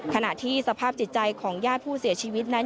ขณะที่สภาพจิตใจของญาติผู้เสียชีวิตนั้น